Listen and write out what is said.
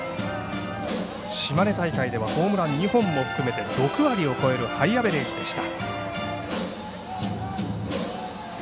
島根大会ではホームラン２本を含めて６割を超えるハイアベレージでした。